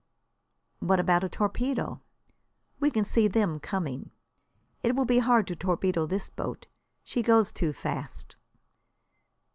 "What about a torpedo?" "We can see them coming. It will be hard to torpedo this boat she goes too fast."